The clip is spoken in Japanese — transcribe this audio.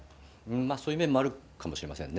そういう面もあるかもしれませんね。